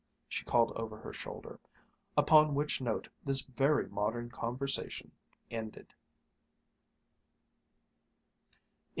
she called over her shoulder. Upon which note this very modern conversation ended.